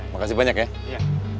makasih banyak ya